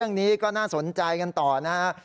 เรื่องนี้ก็น่าสนใจกันต่อนะฮะ